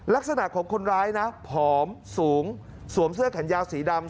ลักษณะของคนร้ายนะผอมสูงสวมเสื้อแขนยาวสีดำ